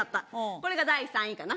これが第３位かな。